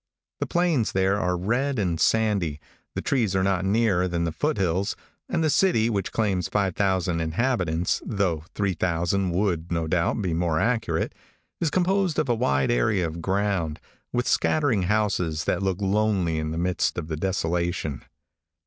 The plains there are red and sandy; the trees are not nearer than the foot hills; and the city, which claims 5,000 inhabitants, though 3,000 would, no doubt, be more accurate, is composed of a wide area of ground, with scattering houses that look lonely in the midst of the desolation.